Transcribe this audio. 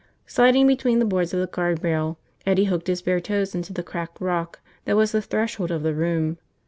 Sliding between the boards of the guard rail, Eddie hooked his bare toes into the cracked rock that was the threshold of the room.